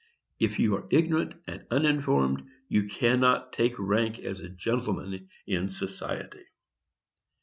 If you are ignorant and uninformed, you cannot take rank as a gentleman in society."